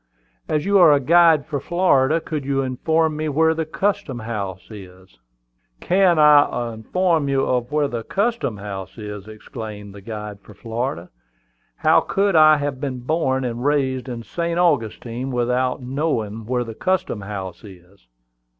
"As you are a guide for Florida, could you inform me where the custom house is?" "Can I inform you where the custom house is!" exclaimed the guide for Florida. "How could I have been born and raised in St. Augustine without knowing where the custom house is?"